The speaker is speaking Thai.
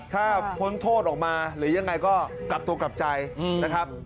ถ้าพ้นโทษออกมาหรือยังไงก็กลับตัวกลับใจนะครับ